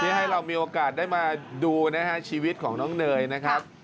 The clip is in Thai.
ให้เรามีโอกาสได้มาดูนะฮะชีวิตของน้องเนยนะครับ